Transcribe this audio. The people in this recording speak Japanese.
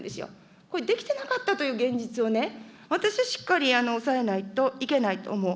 これ、できてなかったという現実をね、私はしっかりおさえないといけないと思う。